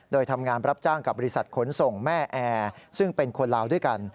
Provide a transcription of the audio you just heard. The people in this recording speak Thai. โดยทำงานรับจ้างกับบริษัทขนส่งแม่แอร์ซึ่งเป็นคนลาวด้วยกัน